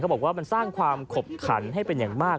บอกว่ามันสร้างความขบขันให้เป็นอย่างมาก